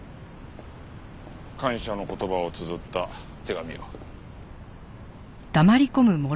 感謝の言葉をつづった手紙を。